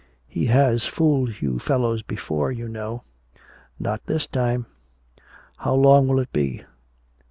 "He has fooled you fellows before, you know " "Not this time." "How long will it be?"